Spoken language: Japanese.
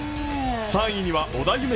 ３位には織田夢